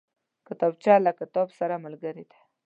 کتابچه له کتاب سره ملګرې ده